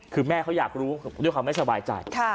คือแม่เขาอยากรู้ด้วยความไม่สบายใจ